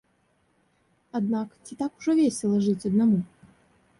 Аднак ці так ўжо весела жыць аднаму?